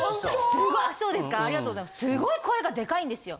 すごい声がデカいんですよ。